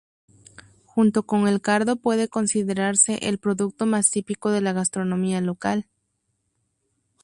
Junto con el cardo puede considerarse el producto más típico de la gastronomía local.